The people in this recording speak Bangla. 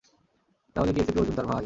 তাহলে কি এসিপি অর্জুন তার ভাই?